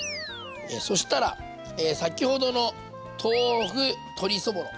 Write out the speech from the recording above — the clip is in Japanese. そしたら先ほどの豆腐鶏そぼろ。